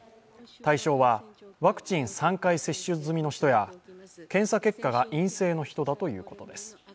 対象はワクチン３回接種済みの人や検査結果が陰性の人だということです。